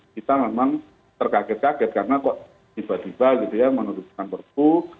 kita memang terkaget kaget karena kok tiba tiba gitu ya menurutkan perpu